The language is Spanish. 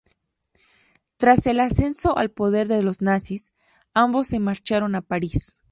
Tras el ascenso al poder de los nazis, ambos se marcharon a París.